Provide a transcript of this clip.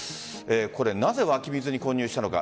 これ、なぜ湧き水に混入したのか。